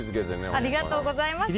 ありがとうございます。